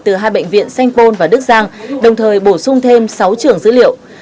từ hai bệnh viện sanh pôn và đức giang đồng thời bổ sung thêm sáu trường dữ liệu